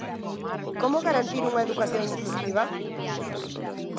Como garantir unha educación inclusiva?